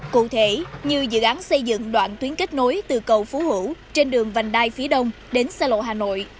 cụ thể như dự án xây dựng đoạn tuyến kết nối từ cầu phú hữu trên đường vành đai phía đông đến xa lộ hà nội